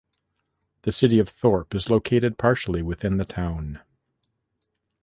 The City of Thorp is located partially within the town.